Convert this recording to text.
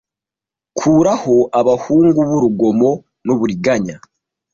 Kuraho abahungu b'urugomo n'uburiganya